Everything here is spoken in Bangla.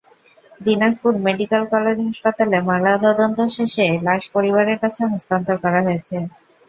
দিনাজপুর মেডিকেল কলেজ হাসপাতালে ময়নাতদন্ত শেষে লাশ পরিবারের কাছে হস্তান্তর করা হয়েছে।